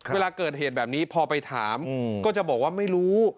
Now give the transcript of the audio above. เวลาเกิดเหตุแบบนี้พอไปถามก็จะบอกว่าไม่รู้